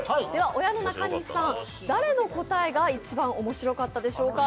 親の中西さん、誰の答えが一番面白かったですか？